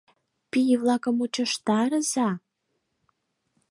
— Пий-влакым мучыштарыза!